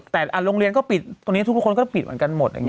แต่โรงเรียนก็ปิดตอนนี้ทุกคนก็ปิดกันหมด